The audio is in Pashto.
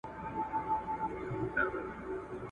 ¬ د خره محبت يا گوز دئ، يا لغته.